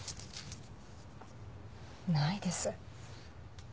ないです。